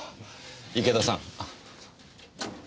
池田さん。